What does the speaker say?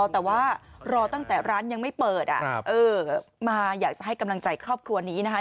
แต่ว่ารอตั้งแต่ร้านยังไม่เปิดมาอยากจะให้กำลังใจครอบครัวนี้นะคะ